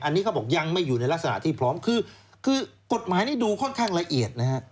อันนี้เขาบอกยังไม่อยู่ในลักษณะที่พร้อมคือกฎหมายนี้ดูค่อนข้างละเอียดนะฮะ